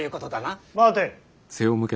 待て。